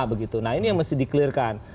nah ini yang mesti di clear kan